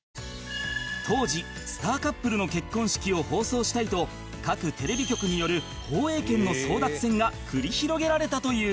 当時スターカップルの結婚式を放送したいと各テレビ局による放映権の争奪戦が繰り広げられたという